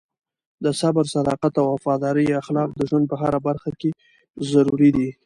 د صبر، صداقت او وفادارۍ اخلاق د ژوند په هره برخه کې ضروري دي.